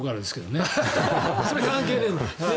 それは関係ないんだ。